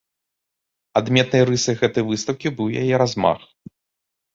Адметнай рысай гэтай выстаўкі быў яе размах.